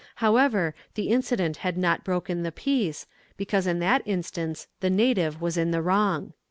However, the incident had not broken the peace, because in that instance the native was in the wrong."